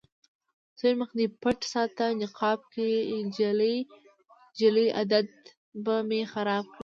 سپين مخ دې پټ ساته نقاب کې، جلۍ عادت به مې خراب کړې